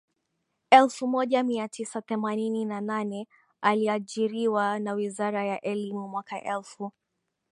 elfu moja mia tisa themanini na nane aliajiriwa na wizara ya elimu Mwaka elfu